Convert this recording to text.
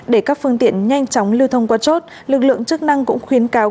để các phương tiện nhanh chóng lưu thông qua chốt lực lượng chức năng cũng khuyến cáo